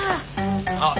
あっ。